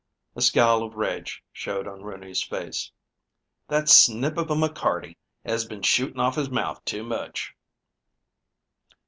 A scowl of rage showed on Rooney's face. "That snip of a McCarty has been shooting off his mouth too much."